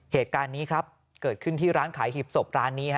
เหตุการณ์นี้ครับเกิดขึ้นที่ร้านขายหีบศพร้านนี้